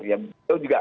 ya itu juga